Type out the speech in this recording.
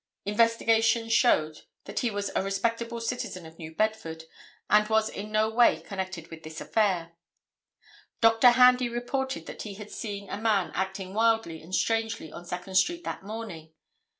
Investigation showed that he was a respectable citizen of New Bedford, and was in no way connected with this affair. Dr. Handy reported that he had seen a man acting wildly and strangely on Second street that morning.